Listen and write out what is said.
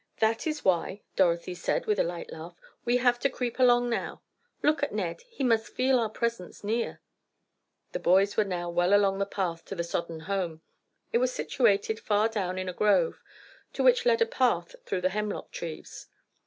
"That is why," Dorothy said with a light laugh, "we have to creep along now. Look at Ned. He must feel our presence near." The boys now were well along the path to the Sodden home. It was situated far down in a grove, to which led a path through the hemlock trees.